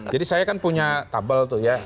jadi saya kan punya tabel tuh ya